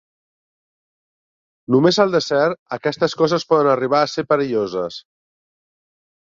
Només al desert, aquestes coses poden arribar a ser perilloses.